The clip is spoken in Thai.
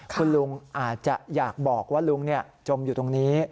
คุณลุงอาจจะอยากบอกว่าลุงจมอยู่ตรงนี้